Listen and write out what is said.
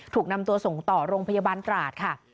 ถูกนำตัวส่งต่อโรงพยาบาลตราดค่ะ